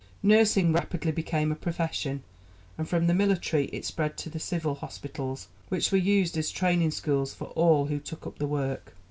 Nursing rapidly became a profession, and from the military it spread to the civil hospitals, which were used as training schools for all who took up the work.